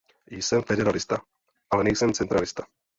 Jsem federalista, ale nejsem centralista.